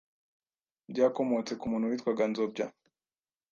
“byakomotse ku muntu witwaga Nzobya